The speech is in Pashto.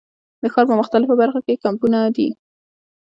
د ښار په مختلفو برخو کې یې کمپونه دي.